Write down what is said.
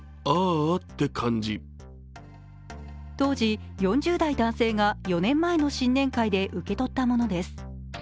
当時、４０代男性が４年前の新年会で受け取ったものです。